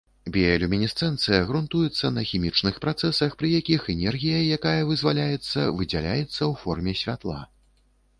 Біялюмінесцэнцыя грунтуецца на хімічных працэсах, пры якіх энергія, якая вызваляецца, выдзяляецца ў форме святла.